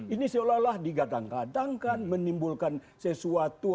ini seolah olah digadang gadangkan menimbulkan sesuatu